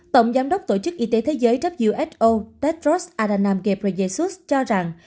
tổng giám đốc tổ chức y tế thế giới who tedros adhanom ghebreyesus cho rằng